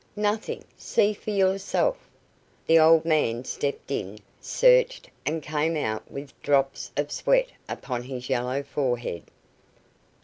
"Nothing! See for yourself." The old man stepped in, searched, and came out with drops of sweat upon his yellow forehead.